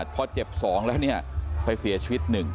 พอเจ็บสองแล้วไปเสียชีวิตหนึ่ง